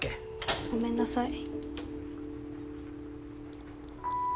ごめんなさい。